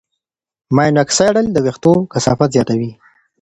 ماینوکسیډیل د وېښتو کثافت زیاتوي.